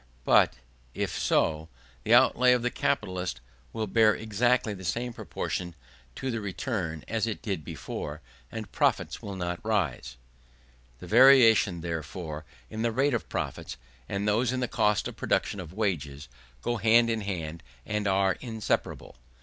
But, if so, the outlay of the capitalist will bear exactly the same proportion to the return as it did before; and profits will not rise. The variations, therefore, in the rate of profits, and those in the cost of production of wages, go hand in hand, and are inseparable. Mr.